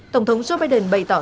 tổng thống joe biden bày tỏ